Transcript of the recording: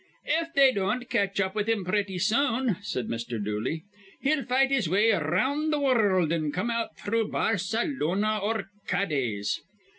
"If they don't catch up with him pretty soon," said Mr. Dooley, "he'll fight his way ar round th' wurruld, an' come out through Barsaloona or Cades."